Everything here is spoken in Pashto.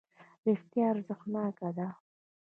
رښتیا ارزښتناکه ده.